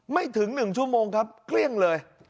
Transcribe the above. ไม่ถึง๑ชั่วโมงครับเกลี้ยงเลย